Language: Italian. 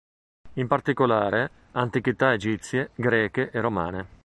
In particolare antichità egizie, greche e romane.